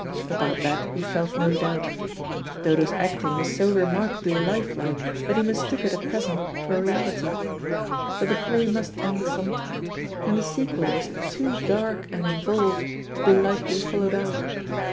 About that he felt no doubt. Dodo's acting was so remarkably life like, that he mistook it at present for reality. But the play must end some time, and the sequel was too dark and involved to be lightly followed out.